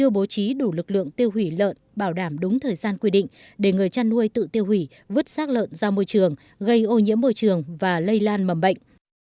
bố trí đủ lực lượng tiêu hủy lợn bảo đảm đúng thời gian quy định để người chăn nuôi tự tiêu hủy vứt sát lợn ra môi trường gây ô nhiễm môi trường và lây lan mầm bệnh